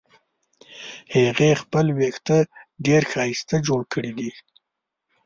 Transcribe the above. هغې خپل وېښته ډېر ښایسته جوړ کړې دي